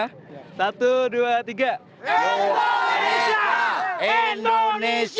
indonesia indonesia indonesia indonesia indonesia indonesia indonesia